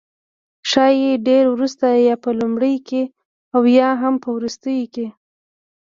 ښايي ډیر وروسته، یا په لومړیو کې او یا هم په وروستیو کې